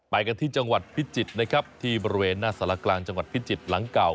ไปกันที่จังหวัดพิจิตรนะครับที่บริเวณหน้าสารกลางจังหวัดพิจิตรหลังเก่า